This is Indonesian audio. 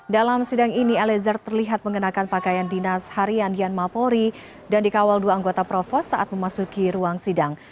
dalam sidang ini eliezer terlihat mengenakan pakaian dinas harian yanma polri dan dikawal dua anggota provos saat memasuki ruang sidang